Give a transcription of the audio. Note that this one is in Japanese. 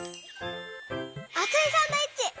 あついサンドイッチ！